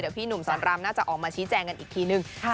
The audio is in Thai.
พี่หนุ่มสอนรามน่าจะออกมาชี้แจงกันอีกทีนึง